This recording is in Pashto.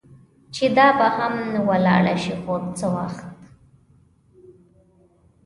چې دا به هم ولاړه شي، خو څه وخت.